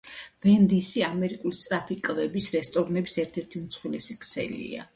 ვენდისი ამერიკული სწრაფი კვების რესტორნების ერთ-ერთი უმსხვილესი ქსელია